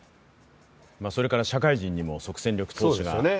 それから社会人にも即戦力投手が。